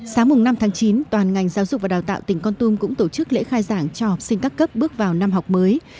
sáng năm tháng chín toàn ngành giáo dục và đào tạo tỉnh con tum cũng tổ chức lễ khai giảng cho học sinh các cấp bước vào năm học mới